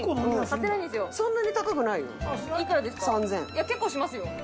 いや結構しますよ。